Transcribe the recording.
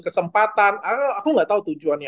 kesempatan aku nggak tahu tujuannya